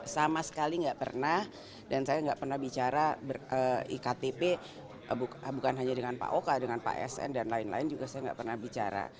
sama sekali nggak pernah dan saya nggak pernah bicara iktp bukan hanya dengan pak oka dengan pak sn dan lain lain juga saya nggak pernah bicara